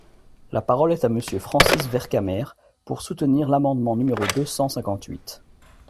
La parole est à Monsieur Francis Vercamer, pour soutenir l’amendement numéro deux cent cinquante-huit.